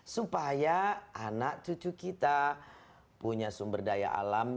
supaya anak cucu kita punya sumber daya alam